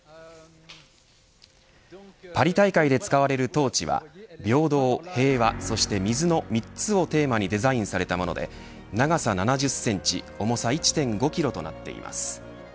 パリ大会で使われるトーチは平等、平和、そして水の３つをテーマにデザインされたもので長さ７０センチ重さ１．５キロとなっています。